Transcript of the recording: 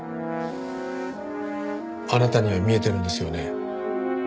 あなたには見えてるんですよね？